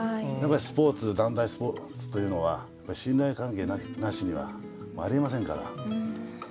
やっぱりスポーツ団体スポーツというのは信頼関係なしにはありえませんから。